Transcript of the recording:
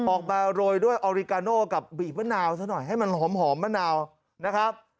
มาโรยด้วยออริกาโน่กับบีบมะนาวซะหน่อยให้มันหอมมะนาวนะครับ